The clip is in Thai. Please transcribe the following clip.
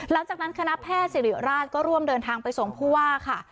หลังจากนั้นคณะแพทย์สิริราชก็ร่วมเดินทางไปส่งผู้ว่าค่ะ